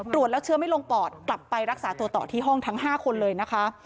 ตรวจแล้วเชื้อไม่ลงปอดกลับไปรักษาตัวต่อที่ห้องทั้ง๕คนเลยนะคะ